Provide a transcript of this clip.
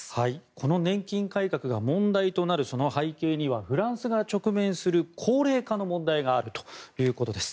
この年金改革が問題となるその背景にはフランスが直面する高齢化の問題があるということです。